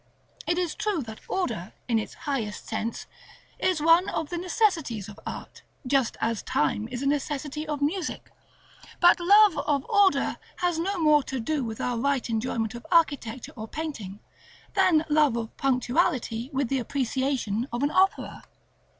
It is true that order, in its highest sense, is one of the necessities of art, just as time is a necessity of music; but love of order has no more to do with our right enjoyment of architecture or painting, than love of punctuality with the appreciation of an opera.